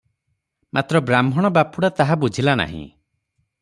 ମାତ୍ର ବ୍ରାହ୍ଣଣ ବାପୁଡା ତାହା ବୁଝିଲା ନାହିଁ ।